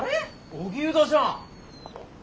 荻生田じゃん。